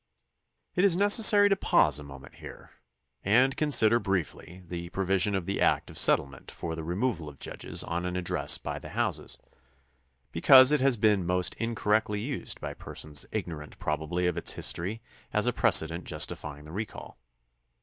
It is necessary to pause a moment here and consider briefly the provision of the act of settlement for the removal of judges on an address by the houses, because it has been most incorrectly used by persons ignorant probably of its history as a precedent justifying the recall.